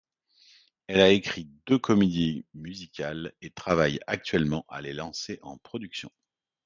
Elle a écrit deux comédies musicales et travaille actuellement à les lancer en production.